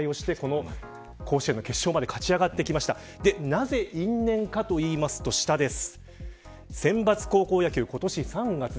なぜ因縁かといいますと下です。